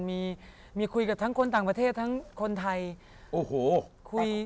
มีคุยกับทั้งคนต่างประเทศทั้งคนไทย